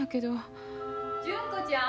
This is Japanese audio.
・純子ちゃん！